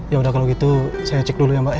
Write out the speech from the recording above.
ya udah kalau gitu saya cek dulu ya mbak